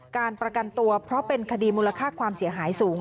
การประกันตัวเพราะเป็นคดีมูลค่าความเสียหายสูง